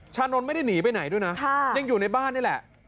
ชานนท์ไม่ได้หนีไปไหนด้วยนะยังอยู่ในบ้านนี่แหละ